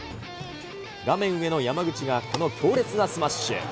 画面上の山口がこの強烈なスマッシュ。